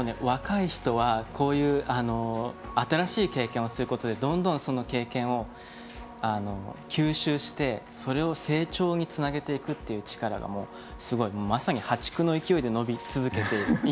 若い人はこういう新しい経験をすることでどんどん、その経験を吸収してそれを成長につなげていくっていう力がすごい、まさに破竹の勢いで伸び続けている。